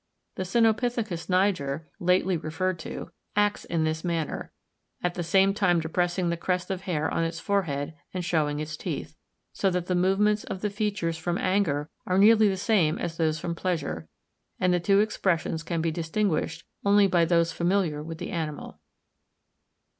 The Cynopithecus niger, lately referred to, acts in this manner, at the same time depressing the crest of hair on its forehead, and showing its teeth; so that the movements of the features from anger are nearly the same as those from pleasure; and the two expressions can be distinguished only by those familiar with the animal.